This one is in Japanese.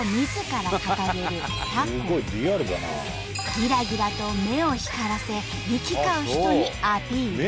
ギラギラと目を光らせ行き交う人にアピール。